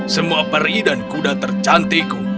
semua peri dan kuda tercantikku